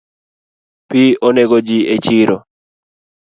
Pi onego ji echiro